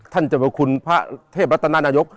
ท่านจะบัคคุณพระเทพรัตนานายก